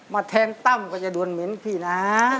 แทงตั้มก็จะโดนเหม็นพี่นะ